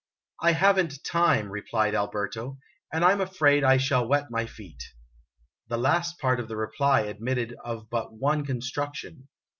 "I have n't time," replied Alberto; "and I 'in afraid I shall wet my feet." The last part of 'the reply admitted of but one construc tion.